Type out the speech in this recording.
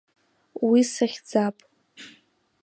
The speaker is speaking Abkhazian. Уи сахьӡап…